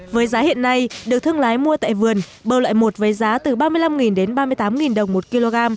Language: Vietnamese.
với giá hiện nay được thương lái mua tại vườn bờ loại một với giá từ ba mươi năm đến ba mươi tám đồng một kg